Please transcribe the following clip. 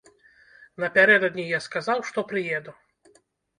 Напярэдадні я сказаў, што прыеду.